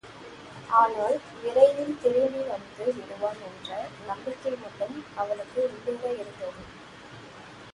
ஆனால் விரைவில் திரும்பி வந்து விடுவான் என்ற நம்பிக்கை மட்டும் அவளுக்கு உள்ளூற இருந்தது.